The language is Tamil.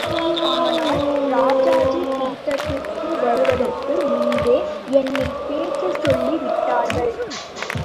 ஆனால் ராஜாஜி கூட்டத்திற்குவருவதற்கு முன்பே என்னைப் பேசச் சொல்லி விட்டார்கள்.